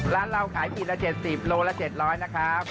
ร้านเราขายขีดละ๗๐โลละ๗๐๐นะครับ